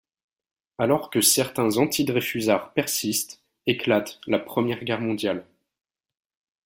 Alors que certains antidreyfusards persistent, éclate la Première Guerre mondiale.